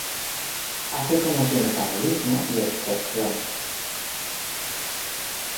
Así como su metabolismo y excreción.